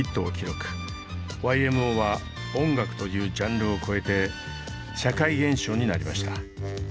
ＹＭＯは音楽というジャンルを超えて社会現象になりました。